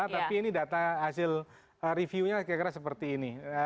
tapi ini data hasil reviewnya kira kira seperti ini